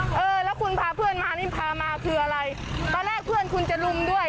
เออแล้วคุณพาเพื่อนมานี่พามาคืออะไรตอนแรกเพื่อนคุณจะลุมด้วย